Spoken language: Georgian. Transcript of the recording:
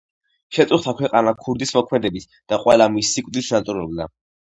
შეწუხდა ქვეყანა ქურდის მოქმედებით და ყველა მის სიკვდილს ნატრულობდა.